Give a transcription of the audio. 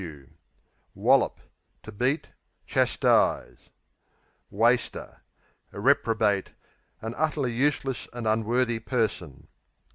Wallop To beat; chastise. Waster A reprobate; an utterly useless and unworthy person.